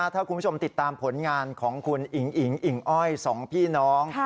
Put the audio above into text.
ถ้าคุณผู้ชมติดตามผลงานของคุณอิ๋งอิ๋งอิ่งอ้อยสองพี่น้อง